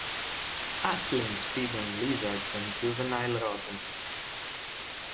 Hatchlings feed on lizards and juvenile rodents.